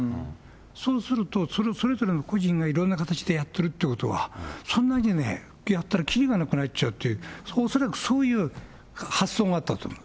そうすると、それぞれの個人がいろんな形でやってるっていうことは、そんなにやったらきりがなくなっちゃうという、恐らくそういう発想があったと思う。